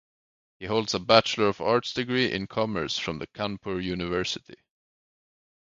He holds a Bachelor of Arts degree in Commerce from the Kanpur University.